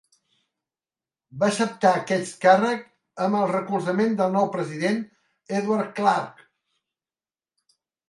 Va acceptar aquest càrrec amb el recolzament del nou president, Edward Clark.